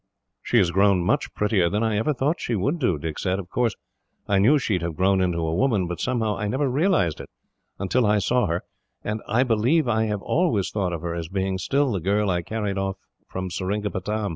"She has grown much prettier than I ever thought she would do," Dick said. "Of course, I knew she would have grown into a woman, but somehow I never realised it, until I saw her, and I believe I have always thought of her as being still the girl I carried off from Seringapatam."